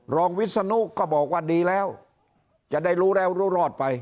วิศนุก็บอกว่าดีแล้วจะได้รู้แล้วรู้รอดไป